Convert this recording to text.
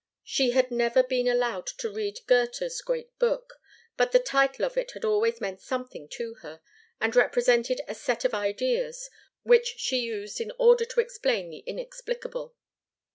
She had never been allowed to read Goethe's great book, but the title of it had always meant something to her, and represented a set of ideas which she used in order to explain the inexplicable.